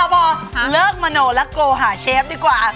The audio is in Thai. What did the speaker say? พอเลิกมโนแล้วโกหาเชฟดีกว่า